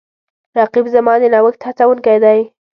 رقیب زما د نوښت هڅونکی دی